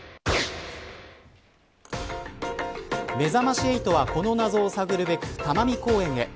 めざまし８はこの謎を探るべく多摩美公園へ。